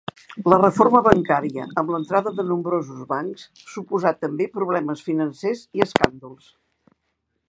La reforma bancària, amb l'entrada de nombrosos bancs suposà també problemes financers i escàndols.